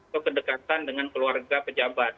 kekedekatan dengan keluarga pejabat